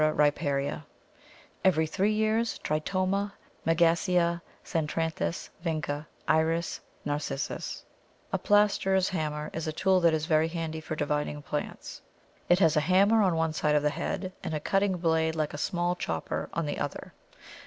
riparia_. Every three years, Tritoma, Megasea, Centranthus, Vinca, Iris, Narcissus. A plasterer's hammer is a tool that is very handy for dividing plants. It has a hammer on one side of the head, and a cutting blade like a small chopper on the other.